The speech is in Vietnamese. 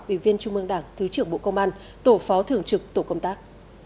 ủy viên trung mương đảng thứ trưởng bộ công an tổ phó thường trực tổ công tác